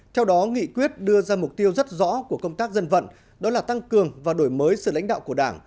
theo đó nghị quyết đưa ra mục tiêu rất rõ của công tác dân vận đó là tăng cường và đổi mới sự lãnh đạo của đảng